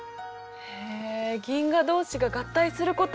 へえ銀河同士が合体することもあるんだ。